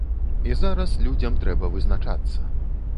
І зараз людзям трэба вызначацца.